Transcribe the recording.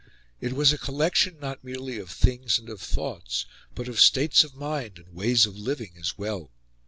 It was a collection not merely of things and of thoughts, but of states of mind and ways of living as well.